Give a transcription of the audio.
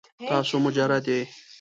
تاسو مجرد یې؟